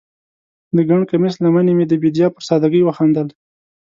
د ګنډ کمیس لمنې مې د بیدیا پر سادګۍ وخندل